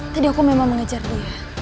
tadi aku memang mengejar dia